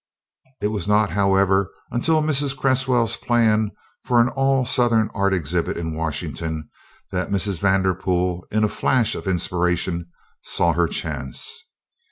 It was not, however, until Mrs. Cresswell's plan for an all Southern art exhibit in Washington that Mrs. Vanderpool, in a flash of inspiration, saw her chance.